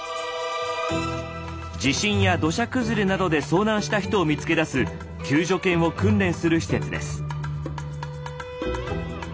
地震や土砂崩れなどで遭難した人を見つけ出す救助犬を訓練する施設です。